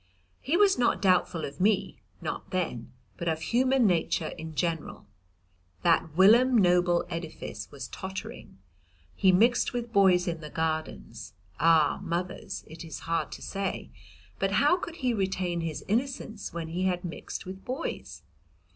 He was not doubtful of me, not then, but of human nature in general; that whilom noble edifice was tottering. He mixed with boys in the Gardens; ah, mothers, it is hard to say, but how could he retain his innocence when he had mixed with boys?